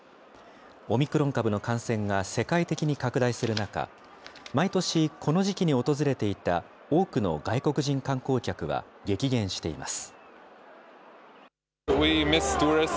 オミクロン株の感染が世界的に拡大する中、毎年、この時期に訪れていた多くの外国人観光客は激減しています。